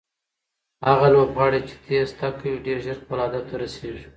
هغه لوبغاړی چې تېز تګ کوي ډېر ژر خپل هدف ته رسیږي.